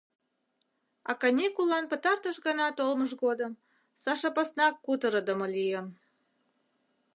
А каникуллан пытартыш гана толмыж годым Саша поснак кутырыдымо лийын.